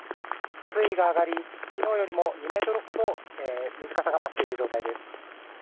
水位が上がり昨日よりも２ｍほど水かさが増している状態です。